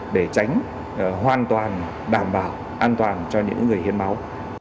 để tránh hoàn toàn đảm bảo an toàn cho những người hiến máu